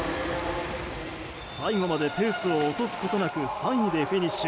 最後までペースを落とすことなく３位でフィニッシュ。